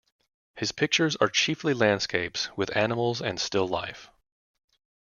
His pictures are chiefly landscapes with animals and still life.